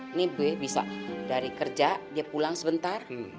ini b bisa dari kerja dia pulang sebentar